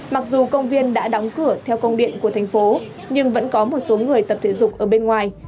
mặc dù công viên đã đóng cửa theo công điện của thành phố nhưng vẫn có một số người tập thể dục ở bên ngoài